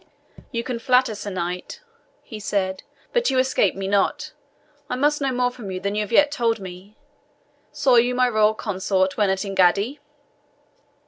"You can flatter, Sir Knight," he said, "but you escape me not. I must know more from you than you have yet told me. Saw you my royal consort when at Engaddi?"